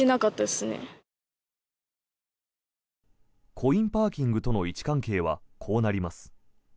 コインパーキングとの位置関係はこうなります。